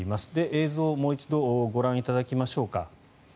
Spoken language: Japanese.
映像、もう一度ご覧いただきましょうか。